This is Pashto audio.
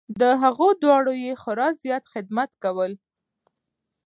د هغو دواړو یې خورا زیات خدمت کول .